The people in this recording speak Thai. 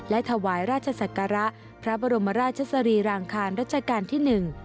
และถวายราชศักระพระบรมราชสรีรางคารรัชกาลที่๑